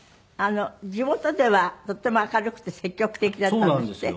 地元ではとっても明るくて積極的だったんですって？